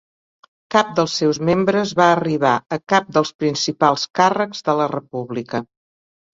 Cap dels seus membres va arribar a cap dels principals càrrecs de la república.